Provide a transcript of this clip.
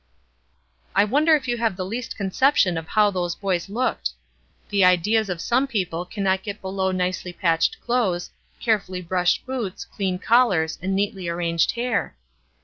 I wonder if you have the least conception of how those boys looked? The ideas of some people cannot get below nicely patched clothes, carefully brushed boots, clean collars, and neatly arranged hair.